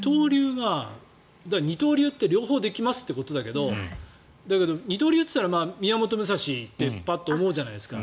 二刀流って両方できますってことだけど二刀流って言ったら宮本武蔵ってパッと思うじゃないですか。